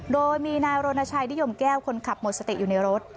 โดยมีนายรณชัยนิยมแก้วคนขับหมดสติอยู่ในรถ